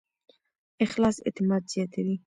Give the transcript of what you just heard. اخلاص اعتماد زیاتوي.